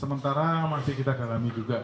sementara masih kita dalami juga